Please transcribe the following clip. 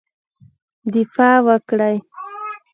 دفاع وکړی.